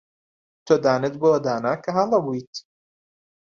تۆ دانت بەوەدا نا کە هەڵە بوویت.